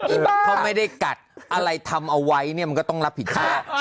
เพราะไม่ได้กัดอะไรทำเอาไว้เนี่ยมันก็ต้องรับผิดชอบ